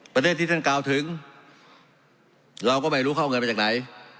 ประเทศที่ท่านกล่าวถึงเราก็ไม่รู้เขาเอาเงินมาจากไหน